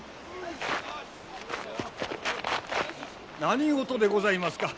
何事でございますか？